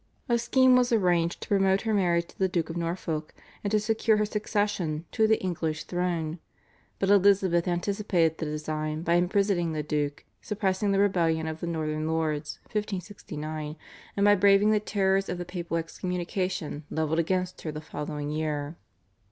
A scheme was arranged to promote her marriage to the Duke of Norfolk and to secure her succession to the English throne, but Elizabeth anticipated the design by imprisoning the Duke, suppressing the rebellion of the northern lords (1569), and by braving the terrors of the papal excommunication levelled against her the following year.